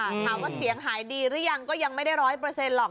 ถามว่าเสียงหายดีหรือยังก็ยังไม่ได้ร้อยเปอร์เซ็นหรอก